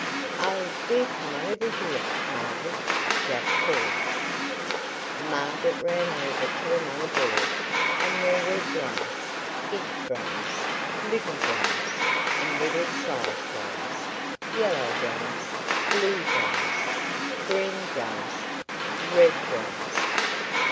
"Oh, do come over here, Margaret!" Jack called. Margaret ran over to another bed and there were drums big drums, little drums, and middle sized drums; yellow drums, blue drums, green drums, red drums.